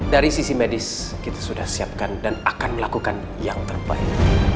dari sisi medis kita sudah siapkan dan akan melakukan yang terbaik